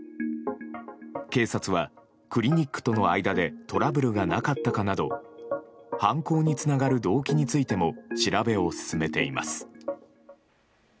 警察はクリニックとの間でトラブルがなかったかなど犯行につながる動機についても調べを進めています。